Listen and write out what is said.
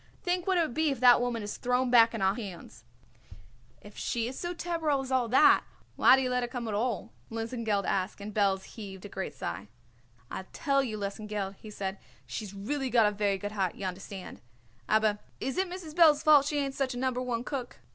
Think what it would be if that woman is thrown back on our hands." "If she is so terrible as all that why do you let her come at all?" Lesengeld asked, and Belz heaved a great sigh. "I'll tell you, Lesengeld," he said, "she's really got a very good heart, y'understand; aber is it Mrs. Belz's fault she ain't such a A Number One cook?